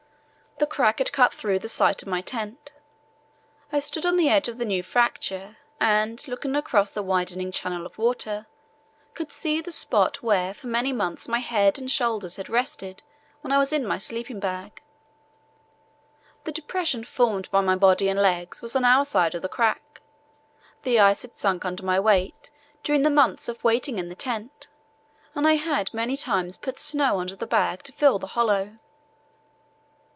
The crack had cut through the site of my tent. I stood on the edge of the new fracture, and, looking across the widening channel of water, could see the spot where for many months my head and shoulders had rested when I was in my sleeping bag. The depression formed by my body and legs was on our side of the crack. The ice had sunk under my weight during the months of waiting in the tent, and I had many times put snow under the bag to fill the hollow.